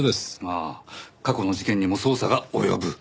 ああ過去の事件にも捜査が及ぶ。